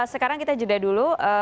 sekarang kita jeda dulu